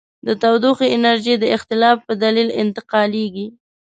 د تودوخې انرژي د اختلاف په دلیل انتقالیږي.